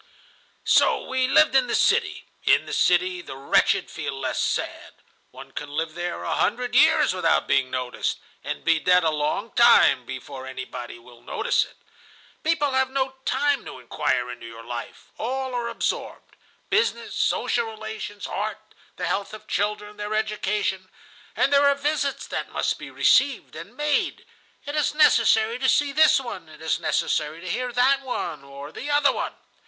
"So we lived in the city. In the city the wretched feel less sad. One can live there a hundred years without being noticed, and be dead a long time before anybody will notice it. People have no time to inquire into your life. All are absorbed. Business, social relations, art, the health of children, their education. And there are visits that must be received and made; it is necessary to see this one, it is necessary to hear that one or the other one.